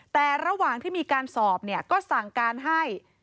แต่ระหว่างที่มีการสอบเนี่ยก็สั่งการให้